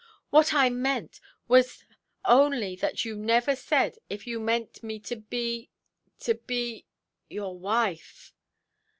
What I meant was only that you never said if you meant me to be—to be—your wife".